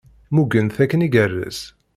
Mmugen-t akken igerrez.